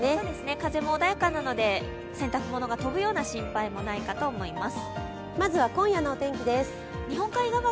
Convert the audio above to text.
風も穏やかなので、洗濯物が飛ぶような心配もないかと思います。